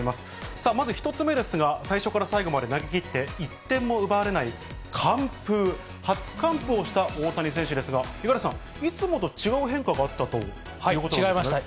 さあまず１つ目ですが、最初から最後まで投げきって、１点も奪われない完封、初完封をした大谷選手ですが、五十嵐さん、いつもと違う変化があったということなんですね。